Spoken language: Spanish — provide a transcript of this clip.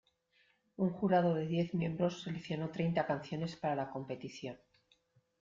Un jurado de diez miembros seleccionó treinta canciones para la competición.